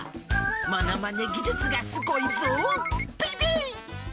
ものまね技術がすごいぞ、ベイベー。